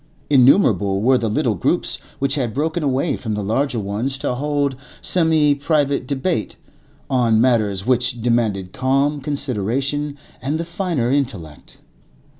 Innumerable were the little groups which had broken away from the larger ones to hold semi private debate on matters which demanded calm consideration and the finer intellect.